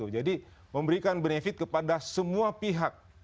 memberikan benefit kepada semua pihak